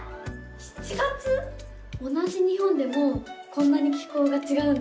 同じ日本でもこんなに気候がちがうんだな。